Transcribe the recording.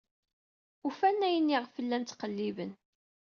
Ufan ayen iɣef llan ttqelliben.